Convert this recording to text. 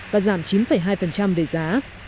và giảm chín hai về giá